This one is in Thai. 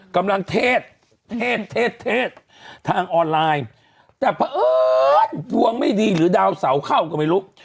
กำลังเทสทางออนไลน์แต่เพราะหรือดวงไม่ดีหรือดาวเสาเข้าก็ไม่รู้